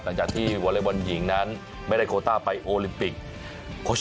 หลังจากที่วอเล็กบอลหญิงนั้นไม่ได้โคต้าไปโอลิมปิก